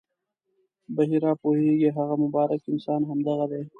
بحیرا پوهېږي هغه مبارک انسان همدغه دی.